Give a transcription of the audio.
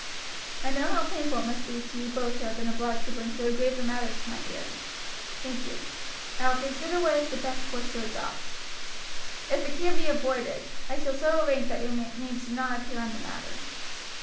I know how painful it must be to you both to have been obliged to bring so grave a matter to my ears. Thank you; I will consider what is the best course to adopt. If it can be avoided, I shall so arrange that your names do not appear in the matter."